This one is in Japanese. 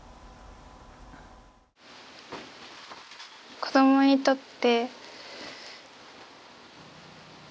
子どもにとって。